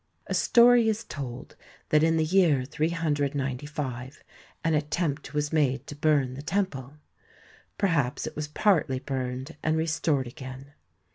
A story is told that in the year 395 an attempt was made to burn the temple ; perhaps it was partly burned and restored again.